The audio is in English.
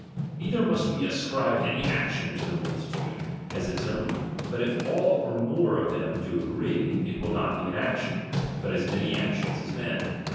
Neither must we ascribe any action to the multitude, as its own ; but if all or more of them do agree, it will not be an action, but as many actions as men.